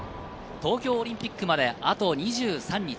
東京オリンピックまであと２３日。